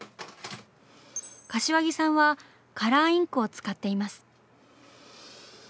柏木さんはカラーインクを使っています。